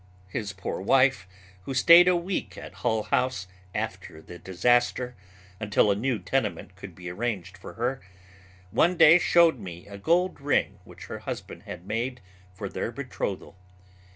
His poor wife, who stayed a week at Hull House after the disaster until a new tenement could be arranged for her, one day showed me a gold ring which her husband had made for their betrothal.